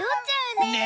ねえ。